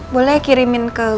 boleh kirimin ke gue